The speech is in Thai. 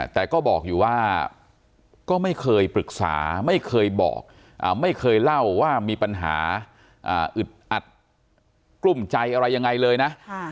แต่ก็บอกอยู่ว่าก็ไม่เคยปรึกษาไม่เคยบอกไม่เคยเล่าว่ามีปัญหาอึดอัดกลุ้มใจอะไรยังไงเลยนะ